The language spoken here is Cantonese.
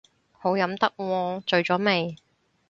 好飲得喎，醉咗未